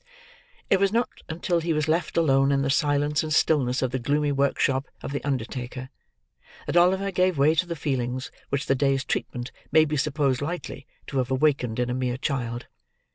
It was not until he was left alone in the silence and stillness of the gloomy workshop of the undertaker, that Oliver gave way to the feelings which the day's treatment may be supposed likely to have awakened in a mere child.